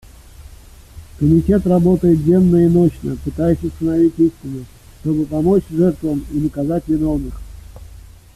Комитет работает денно и нощно, пытаясь установить истину, чтобы помочь жертвам и наказать виновных.